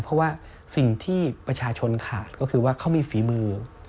เพราะว่าสิ่งที่ประชาชนขาดก็คือว่าเขามีฝีมือ